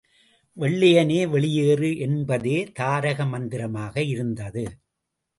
வெள்ளையனே வெளியேறு என்பதே தாரக மந்திரமாக இருந்தது.